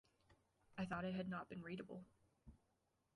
I thought it had not been readable.